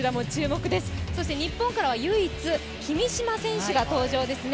そして日本からは唯一、君嶋選手が登場ですね。